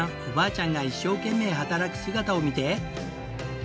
おばあちゃんが一生懸命働く姿を見て。